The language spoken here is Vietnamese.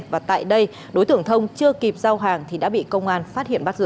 và tại đây đối tượng thông chưa kịp giao hàng thì đã bị công an phát hiện bắt giữ